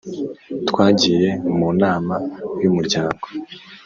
Twagiye mu nama yumuryango.